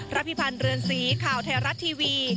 พิพันธ์เรือนสีข่าวไทยรัฐทีวี